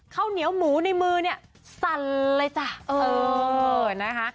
เข้าเหนียวหมูในมือสันเลยจ๊ะ